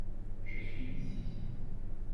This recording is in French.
Je suis ici.